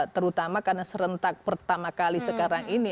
terutama karena serentak pertama kali sekarang ini